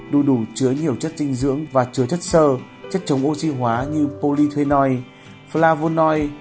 đu đủ chứa nhiều chất dinh dưỡng và chứa chất sơ chất chống oxy hóa như polythenoid flavonoid